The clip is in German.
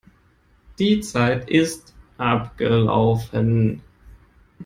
Die Zeit ist abgelaufen.